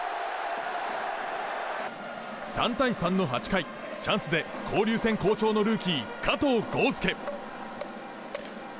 ３対３の８回、チャンスで交流戦好調のルーキー、加藤豪将。